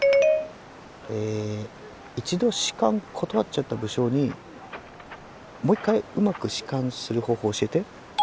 え一度仕官断っちゃった武将にもう一回うまく仕官する方法を教えて。